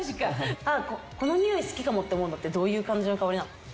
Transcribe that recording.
この匂い好きかもと思うのってどういう感じの香りなの？